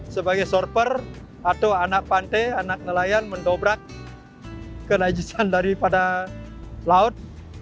sebagai surfer atau anak pantai anak nelayan mendobrak ke najisan daripada laut